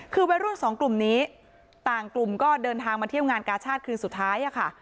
คือวัยรุ่นสองกลุ่มนี้ต่างกลุ่มก็เดินทางมาเที่ยวงานกาชาติคืนสุดท้ายค่ะ